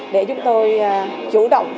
để giúp tôi chủ động